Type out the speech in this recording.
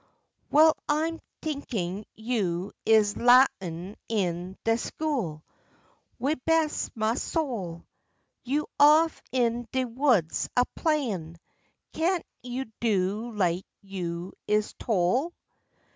W'ile I'm t'inkin' you is lahnin' in de school, why bless ma soul! You off in de woods a playin'. Can't you do like you is tole?